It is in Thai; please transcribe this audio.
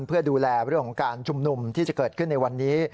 เพื่อดูแลเรื่องของการชุมนุมที่จะเกิดขึ้นในวันนี้